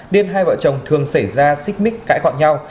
nên hai vợ chồng thường xảy ra xích mích cãi gọn nhau